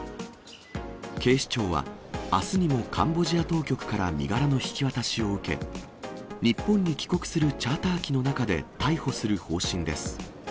警視庁は、あすにもカンボジア当局から身柄の引き渡しを受け、日本に帰国するチャーター機の中で逮捕する方針です。